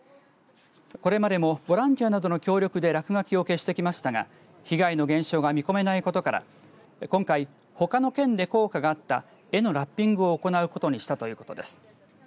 これまでもボランティアなどの協力で落書きを消してきましたが被害の減少が見込めないことから今回、他の県で効果があった絵のラッピングを行うことにしたということです。